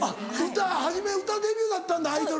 初め歌デビューだったんだアイドル。